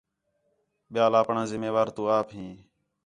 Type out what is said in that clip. ٻِیال آپݨاں ذِمّہ وار تو آپ ہین